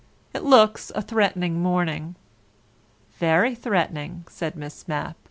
"It looks a threatening morning." "Very threatening," said Miss Mapp.